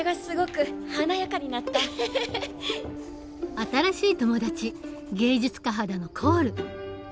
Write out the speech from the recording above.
新しい友達芸術家肌のコール。